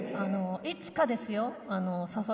いつかですよ。